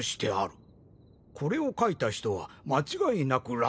これを書いた人は間違いなく蘭学